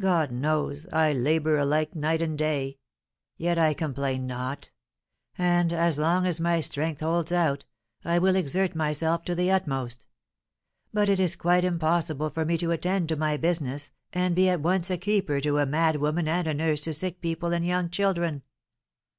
God knows I labour alike night and day! Yet I complain not. And, as long as my strength holds out, I will exert myself to the utmost; but it is quite impossible for me to attend to my business, and be at once a keeper to a mad woman and a nurse to sick people and young children.